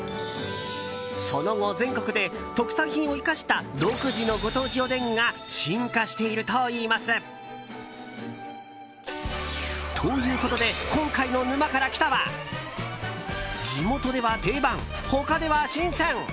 その後、全国で特産品を生かした独自のご当地おでんが進化しているといいます。ということで今回の「沼から来た。」は地元では定番、他では新鮮！